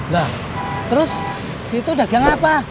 lah terus situ dagang apa